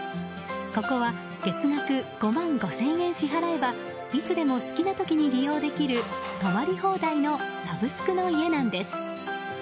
ここは月額５万５０００円支払えばいつでも好きな時に利用できる泊まり放題のサブスクの家なんです。